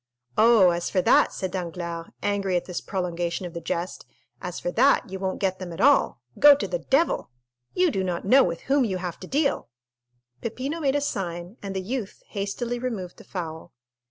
"Oh, as for that," said Danglars, angry at this prolongation of the jest,—"as for that you won't get them at all. Go to the devil! You do not know with whom you have to deal!" 50253m Peppino made a sign, and the youth hastily removed the fowl.